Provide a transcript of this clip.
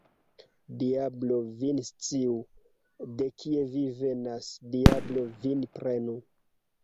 Diablo vin sciu, de kie vi venas, diablo vin prenu!